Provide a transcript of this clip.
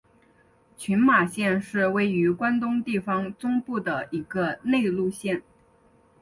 群马县是位于关东地方中部的一个内陆县。